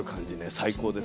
最高です。